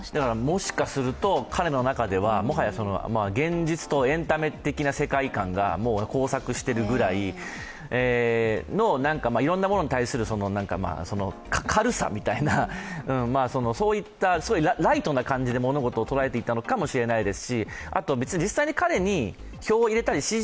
もしかすると、彼の中では現実とエンタメ的な世界観が交錯しているぐらいのいろんなものに対する軽さみたいな、そういったライトな感じで、物事を捉えていたのかもしれないです。